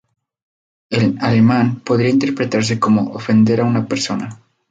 En alemán podría interpretarse como "ofender a una persona".